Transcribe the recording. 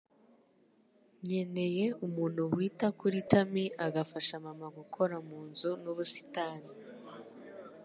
Nkeneye umuntu wita kuri Tammy agafasha Mama gukora munzu nubusitani